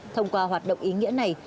thông qua hoạt động ý nghĩa này